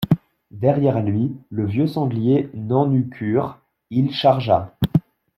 Derrière lui, le vieux sanglier n’en eut cure, il chargea.